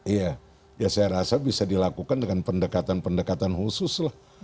iya ya saya rasa bisa dilakukan dengan pendekatan pendekatan khusus lah